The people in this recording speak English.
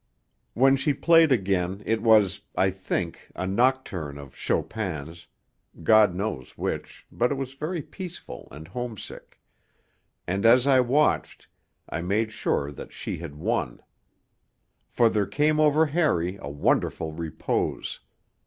When she played again it was, I think, a nocturne of Chopin's (God knows which but it was very peaceful and homesick), and as I watched, I made sure that she had won. For there came over Harry a wonderful repose.